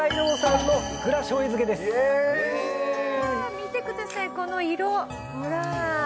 見てくださいこの色ほら。